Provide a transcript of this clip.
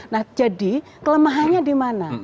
nah jadi kelemahannya di mana